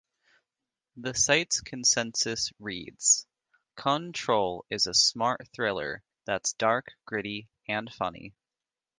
The site's consensus reads: "Kontroll" is a smart thriller that's dark, gritty, and funny.